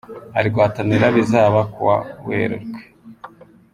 ari guhatanira Bizaba ku wa Werurwe.